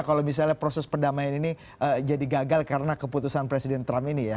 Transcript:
kalau misalnya proses perdamaian ini jadi gagal karena keputusan presiden trump ini ya